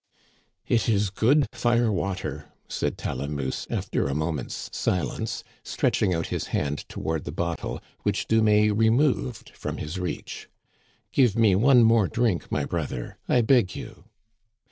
" It is good fire water," said Talamousse after a mo ment's silence, stretching out his hand toward the bottle, which Dumais removed from his reach. " Give me one more drink, my brother, I beg you."